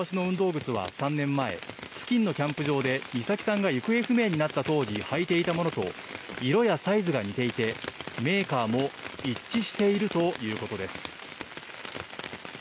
靴は３年前、付近のキャンプ場で、美咲さんが行方不明になった当時、履いていたものと、色やサイズが似ていて、メーカーも一致しているということです。